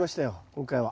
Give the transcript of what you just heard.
今回は。